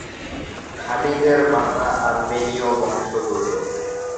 খালিদের মাতা আলবেনীয় বংশোদ্ভূত।